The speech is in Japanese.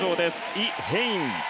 イ・ヘイン。